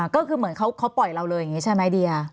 ก็คือเหมือนเขาปล่อยเราเลยอย่างนี้ใช่ไหมเดีย